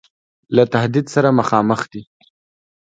له تهدید سره مخامخ دی.